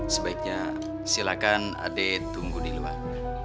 sebaiknya silahkan adek tunggu di luar